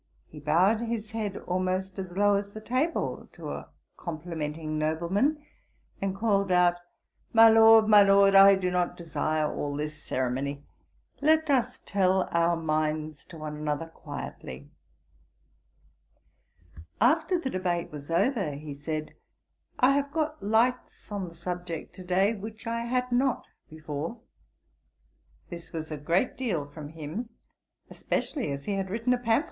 He bowed his head almost as low as the table, to a complimenting nobleman; and called out, 'My Lord, my Lord, I do not desire all this ceremony; let us tell our minds to one another quietly.' After the debate was over, he said, 'I have got lights on the subject to day, which I had not before.' This was a great deal from him, especially as he had written a pamphlet upon it.